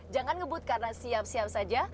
jangan ngebut karena siap siap saja